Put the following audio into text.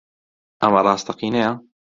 ئەمە ڕاستەقینەیە؟